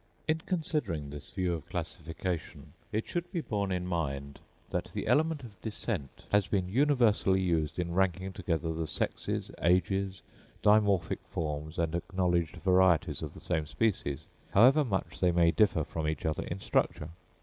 In considering this view of classification, it should be borne in mind that the element of descent has been universally used in ranking together the sexes, ages, dimorphic forms, and acknowledged varieties of the same species, however much they may differ from each other in structure.